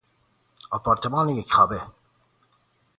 آپارتمان یک اتاق خوابه